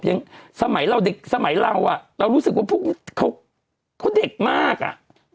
ยังสมัยเราเด็กสมัยเราอ่ะอ่ะเรารู้สึกว่าพวกคุณมันก็เด็กมากมาว่ะ